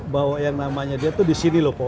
bahwa yang namanya dia tuh disini lah ya